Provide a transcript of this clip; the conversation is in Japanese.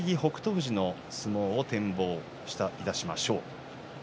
富士の相撲を展望いたしましょう。